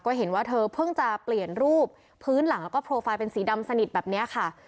ก็เห็นว่าเธอเพิ่งจะเปลี่ยนรูปพื้นหลังแล้วก็โปรไฟล์เป็นสีดำสนิทแบบนี้ค่ะ